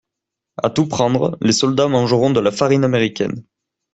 A tout prendre, les soldats mangeront de la farine américaine.